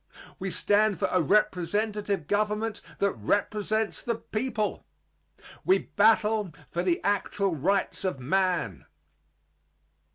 We stand for a representative government that represents the people. We battle for the actual rights of man.